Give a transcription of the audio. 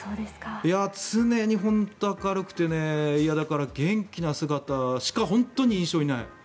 常に本当に明るくて元気な姿しか本当に印象にない。